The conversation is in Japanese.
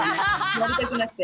やりたくなくて。